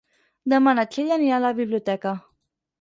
Demà na Txell anirà a la biblioteca.